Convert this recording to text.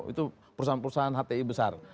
itu perusahaan perusahaan hti besar